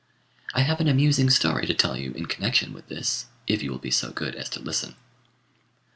I have an amusing story to tell you in connection with this, if you will be so good as to listen.